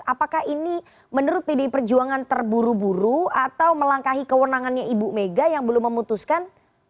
apakah ini menurut pdi perjuangan terburu buru atau melangkahi kewenangannya ibu mega yang belum memutuskan